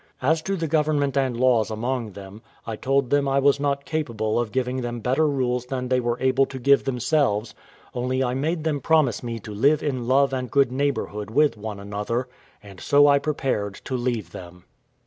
As to the government and laws among them, I told them I was not capable of giving them better rules than they were able to give themselves; only I made them promise me to live in love and good neighbourhood with one another; and so I prepared to leave them.